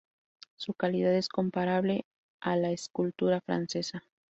Su calidad es comparable a la escultura francesa.